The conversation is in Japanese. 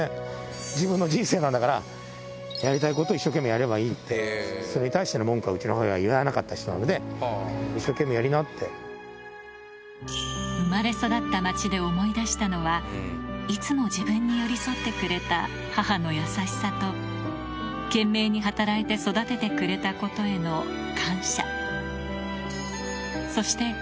自分の人生なんだから、やりたいことを一生懸命やればいいって、それに対しての文句はうちの母親は言わなかった人なので、生まれ育った町で思い出したのは、いつも自分に寄り添ってくれた母の優しさと、懸命に働いて育ててくれたことへの感謝。